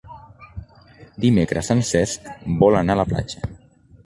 Dimecres en Cesc vol anar a la platja.